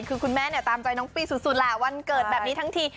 คือคุณแม่เนี่ยตามใจน้องปีสุดแหละวันเกิดแบบนี้ทั้งที